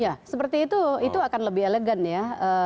ya seperti itu itu akan lebih elegan ya